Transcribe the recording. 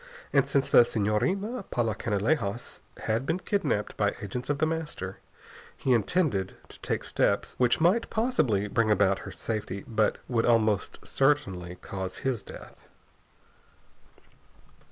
And since the Senhorina Paula Canalejas had been kidnapped by agents of The Master, he intended to take steps which might possibly bring about her safety, but would almost certainly cause his death.